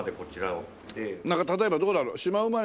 なんか例えばどうなるの？